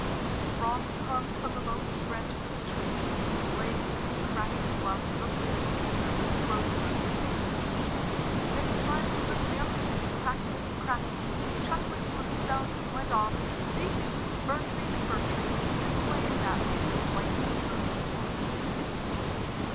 Frost hung from the lowest branches of the tree, swaying and crackling while he looked at the anger frozen on their faces. Then he climbed swiftly up again, and crackling and cracking, chuckling to himself, he went off, leaping from fir tree to fir tree, this way and that through the white, frozen forest.